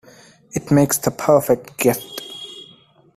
It makes the perfect gift.